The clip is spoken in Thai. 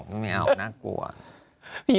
คนละแบบกันเว้ย